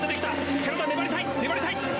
寺田、粘りたい、粘りたい。